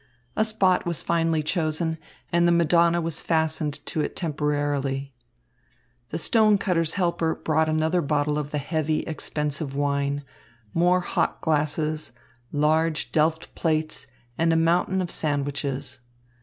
A spot was finally chosen, and the Madonna was fastened to it temporarily. The stone cutter's helper brought another bottle of the heavy, expensive wine, more hock glasses, large Delft plates, and a mountain of sandwiches.